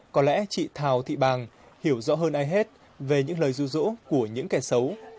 có lẽ chị thào thị bàng hiểu rõ hơn ai hết về những lời rụ rỗ của những kẻ xấu